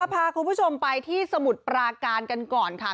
พาคุณผู้ชมไปที่สมุทรปราการกันก่อนค่ะ